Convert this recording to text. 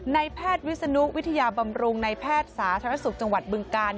ในแพทย์วิศนุวิทยาบำรุงในแพทย์สาธารณสุขจังหวัดบึงกาล